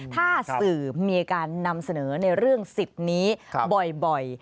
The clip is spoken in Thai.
ถ้าสื่อมีการนำเสนอในเรื่องสิทธิ์นี้บ่อย